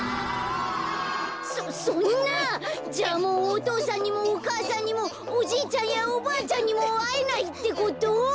そそんなじゃあもうお父さんにもお母さんにもおじいちゃんやおばあちゃんにもあえないってこと？